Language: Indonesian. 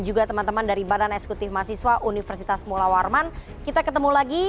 juga teman teman dari badan eksekutif mahasiswa universitas mula warman kita ketemu lagi